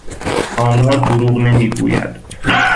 آمار دروغ نمیگوید.